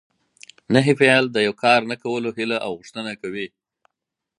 نهي فعل د یو کار نه کولو هیله او غوښتنه کوي.